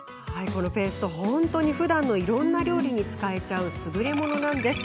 このペーストふだんのいろんな料理に使えちゃうすぐれものなんです。